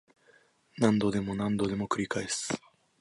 何度でも何度でも繰り返す